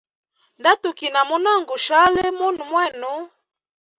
Nda tukina munonga gushali munwe mwenu.